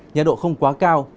nhiệt độ không quá cao